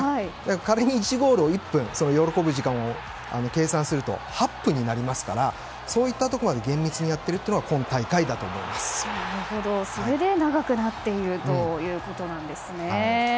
仮に１ゴール１分喜ぶ時間を、そう計算すると８分になりますからそういったところまで厳密にやっているのがそれで長くなっているということなんですね。